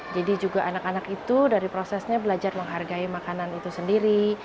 jadi juga anak anak itu dari prosesnya belajar menghargai makanan itu sendiri